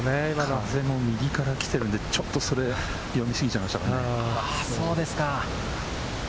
風も右から来てるので、ちょっと読み過ぎちゃいましたね。